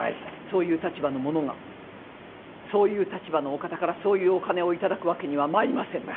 そういう立場の者がそういう立場のお方からそういうお金を頂くわけにはまいりません。